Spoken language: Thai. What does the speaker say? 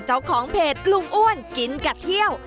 เจ้าของเพจลุงอ้วนกินกัดเที่ยว